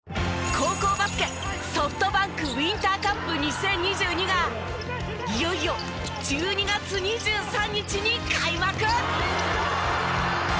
高校バスケＳｏｆｔＢａｎｋウインターカップ２０２２がいよいよ１２月２３日に開幕！